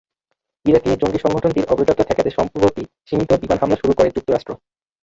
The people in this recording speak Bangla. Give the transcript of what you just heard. ইরাকে জঙ্গি সংগঠনটির অগ্রযাত্রা ঠেকাতে সম্প্রতি সীমিত বিমান হামলা শুরু করে যুক্তরাষ্ট্র।